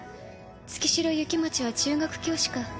月代雪待は中学教師か。